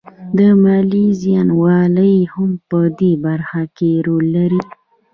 د ماليې زیاتوالی هم په دې برخه کې رول لري